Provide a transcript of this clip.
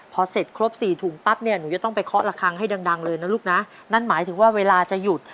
พอเสร็จครบสี่ถุงปั๊บเนี่ยหนูจะต้องไปเคาะละครั้งให้ดังดังเลยนะลูกนะนั่นหมายถึงว่าเวลาจะหยุด